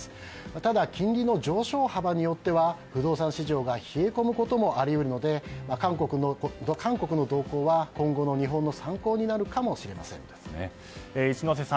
ただ、金利の上昇幅によっては不動産市場が冷え込むこともあり得るので韓国の動向は今後の日本の参考になるかもしれません。